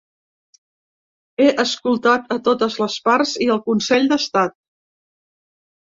He escoltat a totes les parts i al consell d’estat.